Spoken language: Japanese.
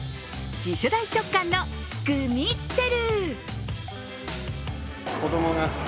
次世代食感のグミッツェル。